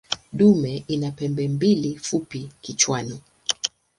Dume ina pembe mbili fupi kichwani.